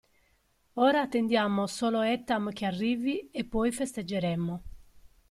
Ora attendiamo solo Etham che arrivi e poi festeggeremo.